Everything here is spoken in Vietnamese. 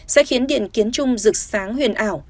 sẽ khiến điện kiến trung rực sáng huyền ảo